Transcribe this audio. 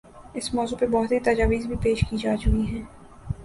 اس موضوع پہ بہت سی تجاویز بھی پیش کی جا چکی ہیں۔